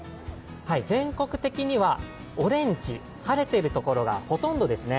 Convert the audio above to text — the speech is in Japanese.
全国的にはオレンジ、晴れているところがほとんどですね。